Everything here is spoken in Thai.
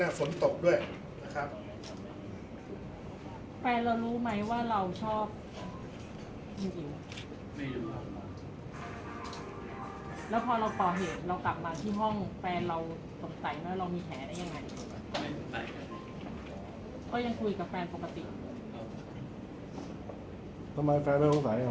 แล้วคือตอนเราก่อเหตุเสร็จแล้วเรากลับมาเรามาล้าง